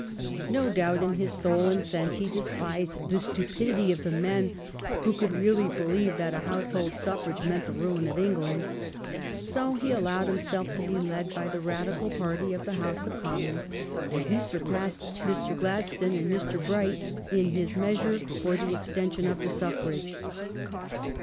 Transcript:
No doubt in his soul and sense he despised the stupidity of the men who could really believe that a household suffrage meant the ruin of England. So he allowed him self to be led by the Radical party of the House of Commons, and he surpassed Mr. Gladstone and Mr. Bright in his measure for the extension of the suffrage.